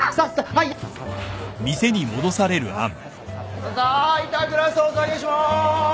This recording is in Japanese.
空いたグラスお下げしまーす！